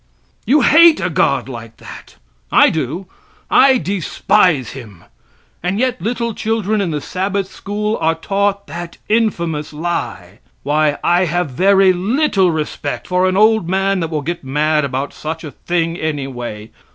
You hate a God like that. I do; I despise him. And yet little children in the Sabbath school are taught that infamous lie. Why, I have very little respect for an old man that will get mad about such a thing, anyway.